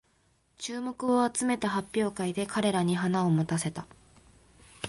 注目を集めた発表会で彼らに花を持たせた